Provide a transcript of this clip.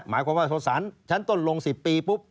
เพราะว่าโทษศาลชั้นต้นลง๑๐ปีปุ๊บ